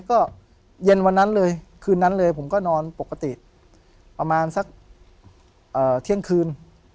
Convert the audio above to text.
ก็เย็นวันนั้นเลยคืนนั้นเลยผมก็นอนปกติประมาณสักเที่ยงคืน